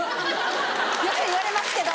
よく言われますけど。